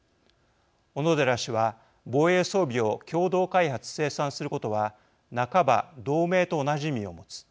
小野寺氏は防衛装備を共同開発・生産することは半ば同盟と同じ意味を持つ。